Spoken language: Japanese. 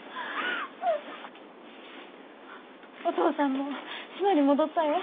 お父さんも島に戻ったよ。